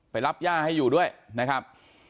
รับย่าให้อยู่ด้วยนะครับ